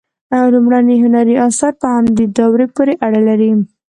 لومړني هنري آثار په همدې دورې پورې اړه لري.